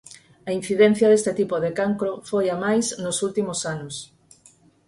A incidencia deste tipo de cancro foi a máis nos últimos anos.